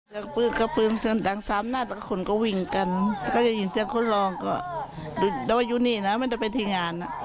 ว่าจะเรียกสัตว์เพลงก็เสร็จแล้วใช่ไหม